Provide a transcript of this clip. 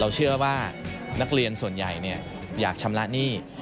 เชื่อว่านักเรียนส่วนใหญ่อยากชำระหนี้